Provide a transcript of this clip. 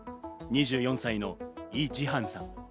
２４歳のイ・ジハンさん。